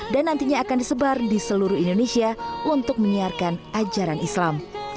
dan nantinya akan disebar di seluruh indonesia untuk menyiarkan ajaran islam